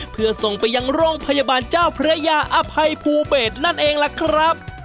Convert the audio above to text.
เพื่อส่งไปยังโรงพยาบาลเจ้าพระยาอภัยภูเบศนั่นเองล่ะครับ